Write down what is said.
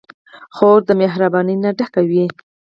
خور د مهربانۍ نه ډکه وي.